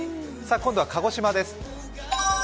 今度は鹿児島です。